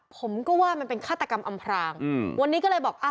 ผมก็ว่ามันเป็นฆาตกรรมอำพรางอืมวันนี้ก็เลยบอกอ่ะ